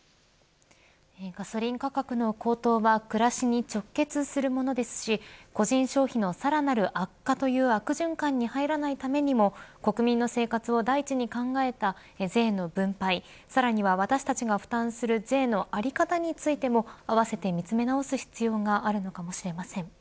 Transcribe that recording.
ガソリン価格の高騰は暮らしに直結するものですし個人消費のさらなる悪化という悪循環に入らないためにも国民の生活を第一に考えた税の分配さらには、私たちが負担する税の在り方についても合わせて見つめ直す必要があるのかもしれません。